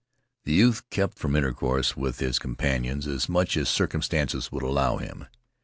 The youth kept from intercourse with his companions as much as circumstances would allow him.